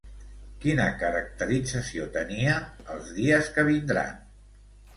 Quina caracterització tenia Els dies que vindran?